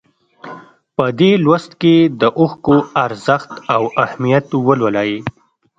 په دې لوست کې د اوښکو ارزښت او اهمیت ولولئ.